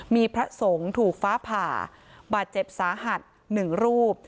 มีพระสงฆ์ถูกฟ้าผ่าบาดเจ็บสาหัส๑รูป